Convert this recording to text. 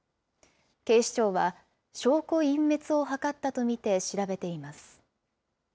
警視庁は、証拠隠滅を図ったと見て、調べています。